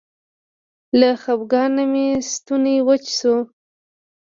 له خپګانه مې ستونی وچ شو.